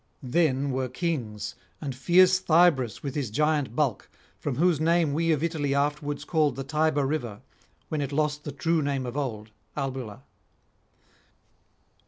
Then were kings, [330 364]and fierce Thybris with his giant bulk, from whose name we of Italy afterwards called the Tiber river, when it lost the true name of old, Albula.